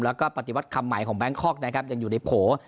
แล้วก็ปฏิวัติคำใหม่ของแบงคอกนะครับยังอยู่ในโผล่